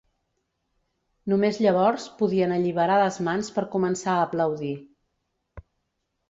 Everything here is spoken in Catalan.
Només llavors podien alliberar les mans per començar a aplaudir.